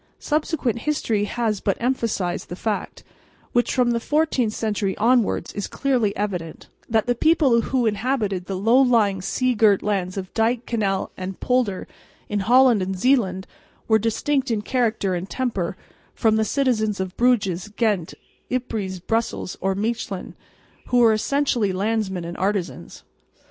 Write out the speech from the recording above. Subsequent history has but emphasised the fact which from the fourteenth century onwards is clearly evident that the people who inhabited the low lying sea girt lands of dyke, canal and polder in Holland and Zeeland were distinct in character and temper from the citizens of Bruges, Ghent, Ypres, Brussels or Mechlin, who were essentially landsmen and artisans.